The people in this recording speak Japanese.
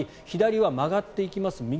左は曲がっていきます